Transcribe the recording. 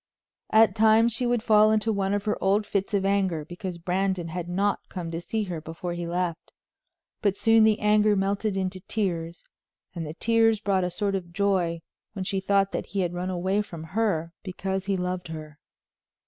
At times she would fall into one of her old fits of anger because Brandon had not come to see her before he left, but soon the anger melted into tears, and the tears brought a sort of joy when she thought that he had run away from her because he loved her.